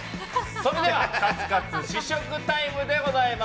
それではカツカツ試食タイムでございます。